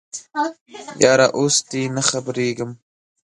یاره اوس تې نه خبریږم